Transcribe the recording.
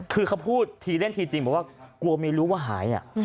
คือเขาพูดทีเล่นทีจริงบอกว่ากลัวไม่รู้ว่าหาย